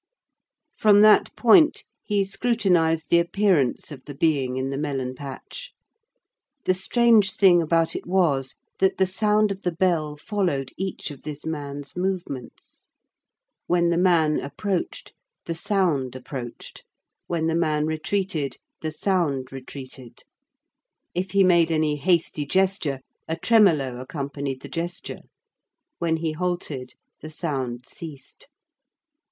From that point he scrutinized the appearance of the being in the melon patch. The strange thing about it was, that the sound of the bell followed each of this man's movements. When the man approached, the sound approached; when the man retreated, the sound retreated; if he made any hasty gesture, a tremolo accompanied the gesture; when he halted, the sound ceased.